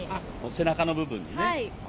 背中の部分にね。